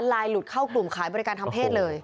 หลุดเข้ากลุ่มขายบริการทางเพศเลย